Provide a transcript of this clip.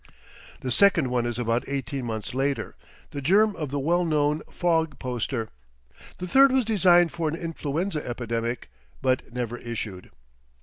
(The second one is about eighteen months later, the germ of the well known "Fog" poster; the third was designed for an influenza epidemic, but never issued.)